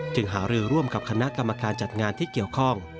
หารือร่วมกับคณะกรรมการจัดงานที่เกี่ยวข้อง